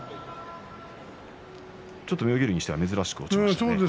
ちょっと妙義龍にしては珍しく落ちましたね。